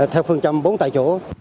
theo phương châm bốn tại chỗ